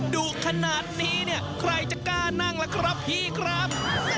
ดุขนาดนี้เนี่ยใครจะกล้านั่งล่ะครับพี่ครับ